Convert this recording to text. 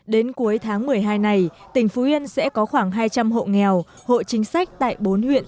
đến cuối tháng một mươi hai này tỉnh phú yên sẽ có khoảng hai trăm linh hộ nghèo hộ chính sách tại bốn huyện